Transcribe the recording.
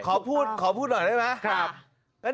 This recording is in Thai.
ขอพูดหน่อยได้ไหม